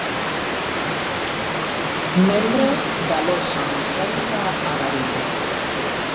Membro da loxa masónica Agarimo.